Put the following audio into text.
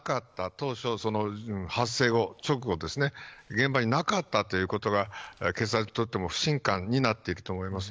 当初、発生直後現場になかったということが警察にとっても不信感になっていくと思います。